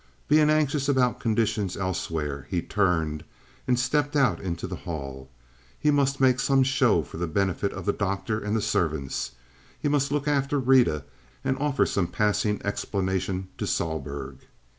Being anxious about conditions elsewhere, he turned and stepped out into the hall. He must make some show for the benefit of the doctor and the servants; he must look after Rita, and offer some sort of passing explanation to Sohlherg.